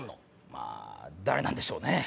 まぁ誰なんでしょうね？